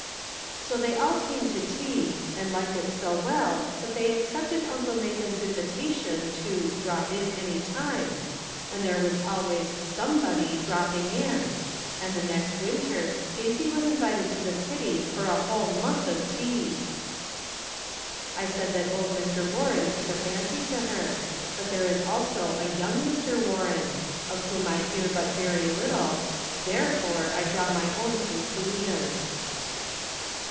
So they all came to tea, and liked it so well that they accepted Uncle Nathan's invitation to " drop in any time," and there was always some hody " dropping in," and the next winter Daisy was invited to the city for a whole month of teas ! I said that old Mr. Warren took a fancy to her, but there is also a young Mr. Warren, of whom I hear biit very little, therefore, I draw my own conclusions.